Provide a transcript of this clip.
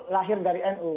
lahir dari nu